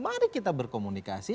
mari kita berkomunikasi